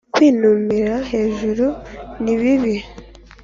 kwinumira hejuru ni bibi